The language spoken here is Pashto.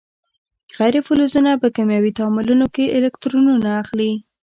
غیر فلزونه په کیمیاوي تعاملونو کې الکترونونه اخلي.